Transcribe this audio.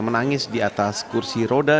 menangis di atas kursi roda